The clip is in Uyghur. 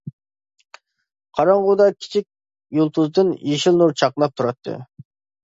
قاراڭغۇدا كىچىك يۇلتۇزدىن يېشىل نۇر چاقناپ تۇراتتى.